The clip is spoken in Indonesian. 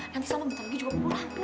nanti salma bentar lagi juga pulang